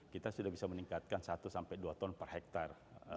kita sudah bisa meningkatkan satu sampai dua ton per hektare